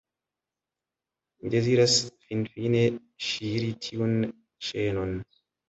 Mi deziras finfine ŝiri tiun ĉenon.